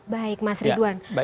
baik mas ridwan